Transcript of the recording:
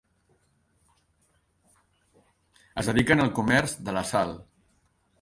Es dediquen al comerç de la sal.